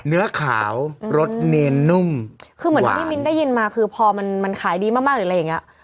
เนื้อขาวรสเนียนนุ่มคือเหมือนที่มิ้นได้ยินมาคือพอมันมันขายดีมากมากหรืออะไรอย่างเงี้ย